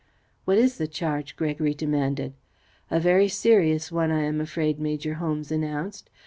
"What is the charge?" Gregory demanded. "A very serious one, I am afraid," Major Holmes announced.